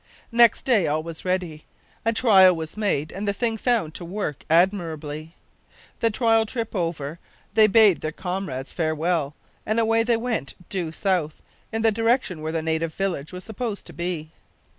Next day all was ready. A trial was made and the thing found to work admirably. The trial trip over, they bade their comrades farewell, and away they went due south, in the direction where the native village was supposed to be.